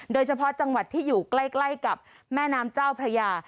โดยเฉพาะจังหวัดที่อยู่ใกล้กับแม่น้ำเจ้าพระยา